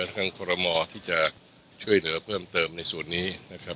ทางครโลโมที่จะช่วยเหวิบเพิ่มติดในส่วนนี้